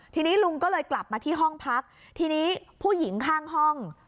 ทีนี้ลุงก็เลยกลับมาที่ห้องพักทีนี้ผู้หญิงข้างห้อง